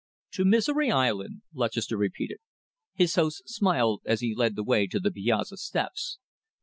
"To Misery Island!" Lutchester repeated. His host smiled as he led the way to the piazza steps.